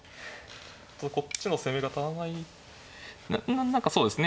こっちの攻めが足らない何かそうですね。